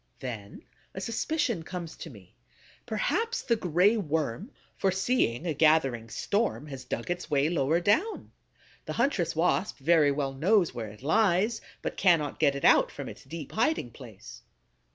Then a suspicion comes to me: perhaps the Gray Worm, foreseeing a gathering storm, has dug its way lower down. The huntress Wasp very well knows where it lies, but cannot get it out from its deep hiding place.